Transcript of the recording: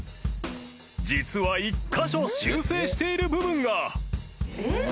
［実は１カ所修正している部分が］